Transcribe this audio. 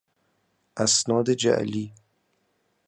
اسناد جعلی